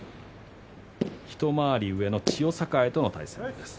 一回り上の千代栄との対戦です。